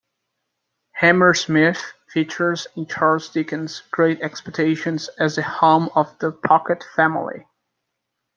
Hammersmith features in Charles Dickens' "Great Expectations" as the home of the Pocket family.